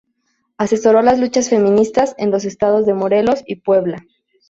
Asesoró las luchas feministas en los estados de Morelos y Puebla.